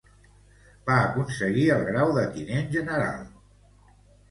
Va aconseguir el grau de tinent general de la Reial Armada Espanyola.